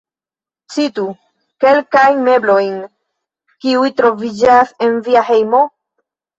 Citu kelkajn meblojn, kiuj troviĝas en via hejmo?